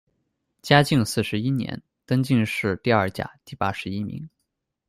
嘉靖四十一年，登进士第二甲第八十一名。